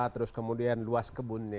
terus kemudian luas kebunnya